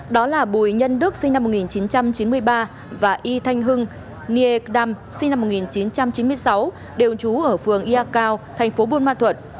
đó là bùi nhân đức sinh năm một nghìn chín trăm chín mươi ba và y thanh hưng niêm sinh năm một nghìn chín trăm chín mươi sáu đều trú ở phường ya cao thành phố buôn ma thuận